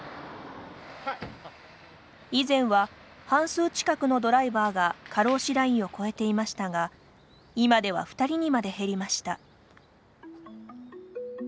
以前は、半数近くのドライバーが過労死ラインを超えていましたが今では２人にまで減りました。